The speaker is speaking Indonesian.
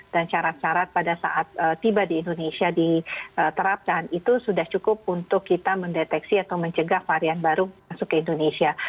dan syarat syarat pada saat tiba di indonesia diterapkan itu sudah cukup untuk kita mendeteksi atau mencegah varian baru masuk ke indonesia